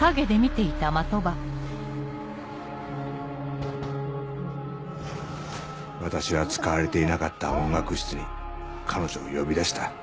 ノック私は使われていなかった音楽室に彼女を呼び出した。